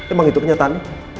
emang itu kenyataan